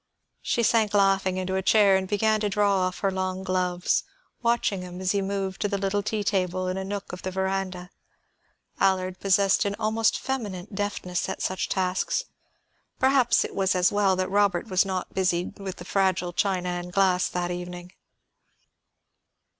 She sank laughing into a chair and began to draw off her long gloves, watching him as he moved to the little tea table in a nook of the veranda. Allard possessed an almost feminine deftness at such tasks; perhaps it was as well that Robert was not busied with the fragile china and glass that evening.